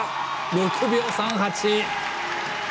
６秒３８！